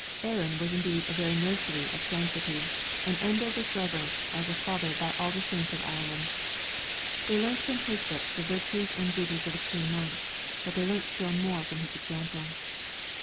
Aran was indeed a very nursery of sanctity, and Enda was reverenced as a father by all the saints of Ireland. They learnt from his lips the virtues and duties of a true monk, but they learnt still more from his example.